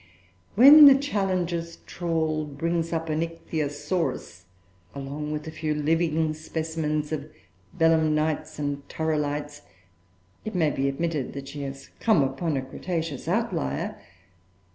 When the Challenger's trawl brings up an Ichthyosaurus, along with a few living specimens of Belemnites and Turrilites, it may be admitted that she has come upon a cretaceous "outlier."